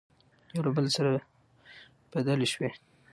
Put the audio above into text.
يو له بل سره بدلې شوې،